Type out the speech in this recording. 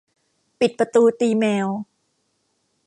ปิดประตูตีแมว